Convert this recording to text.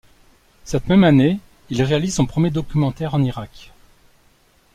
Cette même année il réalise son premier documentaire en Irak.